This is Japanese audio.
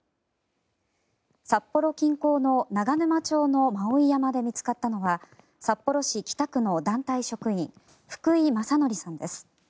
札幌近郊の長沼町の馬追山で見つかったのは札幌市北区の団体職員福井政則さんです。